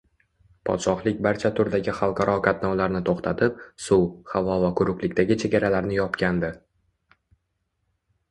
Podshohlik barcha turdagi xalqaro qatnovlarni toʻxtatib, suv, havo va quruqlikdagi chegaralarini yopgandi.